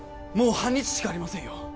もう半日しかありませんよ